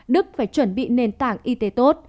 đức phải chuẩn bị nền tảng y tế tốt